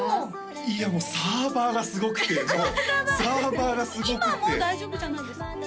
いやもうサーバーがすごくてもうサーバーがすごくって今はもう大丈夫じゃないですかね？